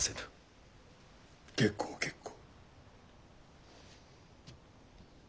結構結構。